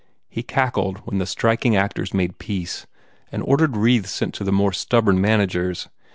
He cackled when the striking actors made peace and ordered wreaths sent to the more stubborn managers.